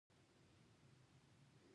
د مور جمع میندي دي.